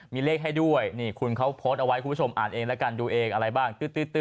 มีเลขให้ด้วยนี่คุณเขาโพสต์เอาไว้คุณผู้ชมอ่านเองแล้วกันดูเองอะไรบ้างตื้อ